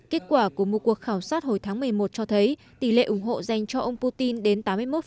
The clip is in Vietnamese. kết quả của một cuộc khảo sát hồi tháng một mươi một cho thấy tỷ lệ ủng hộ dành cho ông putin đến tám mươi một